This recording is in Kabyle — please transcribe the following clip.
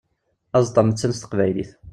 Aẓeṭṭa amettan s teqbaylit.